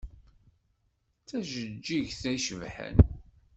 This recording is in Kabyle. D tajeǧǧigt icebḥen.